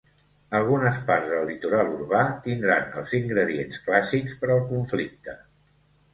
Algunes parts del litoral urbà tindran els ingredients clàssics per al conflicte.